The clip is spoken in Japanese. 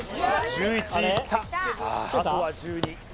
１１いったあとは１２